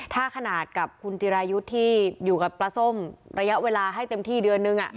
ถ้าขนาดกับคุณจิรายุทธ์ที่อยู่กับปลาส้มระยะเวลาให้เต็มที่เดือนนึง